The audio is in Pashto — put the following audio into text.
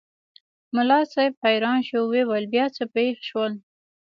ملا صاحب حیران شو وویل بیا څه پېښ شول؟